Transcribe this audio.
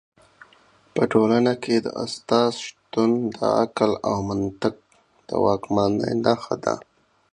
په ټولنه کي د استاد شتون د عقل او منطق د واکمنۍ نښه ده.